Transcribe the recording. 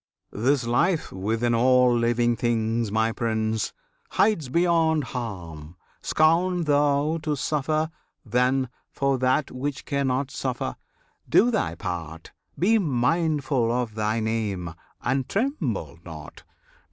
This Life within all living things, my Prince! Hides beyond harm; scorn thou to suffer, then, For that which cannot suffer. Do thy part! Be mindful of thy name, and tremble not!